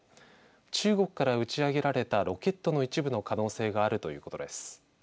中国から打ち上げられたロケットの一部の可能性があるということです。